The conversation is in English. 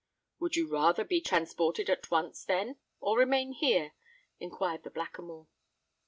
"Would you rather be transported at once, then—or remain here?" enquired the Blackamoor.